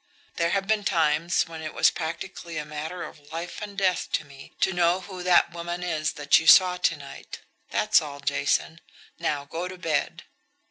There have been times when it was practically a matter of life and death to me to know who that woman is that you saw to night. That's all, Jason. Now go to bed."